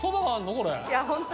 これ。